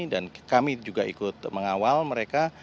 dan kami juga ikut mengawal mereka